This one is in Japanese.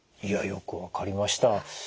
いやよく分かりました。